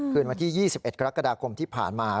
คืนวันที่๒๑กรกฎาคมที่ผ่านมา